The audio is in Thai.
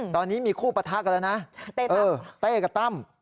ตอนนี้มีคู่ปะทะกันแล้วนะเต้กับตั้ม